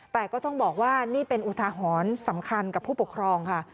แต่ก็ต้องบอกว่านี่เป็นอุทาหรณ์สำคัญกับผู้ปกครองค่ะ